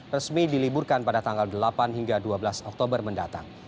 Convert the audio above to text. resmi diliburkan pada tanggal delapan hingga dua belas oktober mendatang